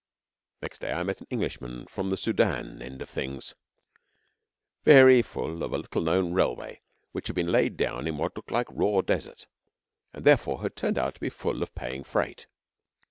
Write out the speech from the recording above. Next day I met an Englishman from the Soudan end of things, very full of a little known railway which had been laid down in what had looked like raw desert, and therefore had turned out to be full of paying freight.